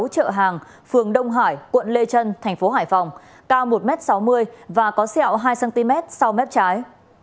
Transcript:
chợ hàng phường đông hải quận lê trân tp hải phòng cao một m sáu mươi và có xeo hai cm sau mép trái